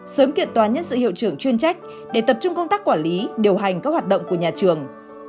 sớm kiện toàn nhân sự hiệu trưởng chuyên trách để tập trung công tác quản lý điều hành các hoạt động của nhà trường